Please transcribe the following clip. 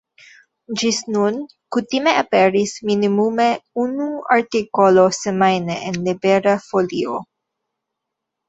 Ĝis nun kutime aperis minimume unu artikolo semajne en Libera Folio.